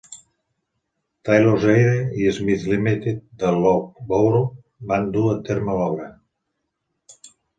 Taylors Eayre i Smith Limited de Loughborough van dur a terme l'obra.